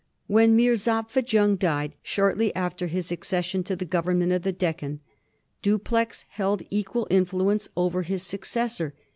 When Mirzapha Jung died, shortly after his accession to the government of the Deccan, Dupleix held equal influence over his successor.